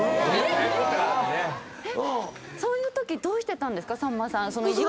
そういうときどうしてたんですか？